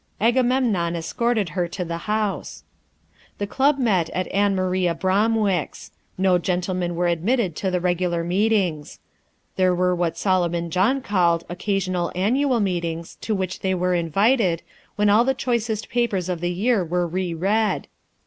Agamemnon escorted her to the house. The Club met at Ann Maria Bromwick's. No gentlemen were admitted to the regular meetings. There were what Solomon John called "occasional annual meetings," to which they were invited, when all the choicest papers of the year were re read.